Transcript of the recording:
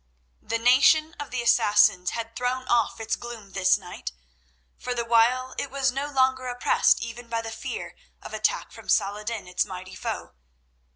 The nation of the Assassins had thrown off its gloom this night, for the while it was no longer oppressed even by the fear of attack from Saladin, its mighty foe.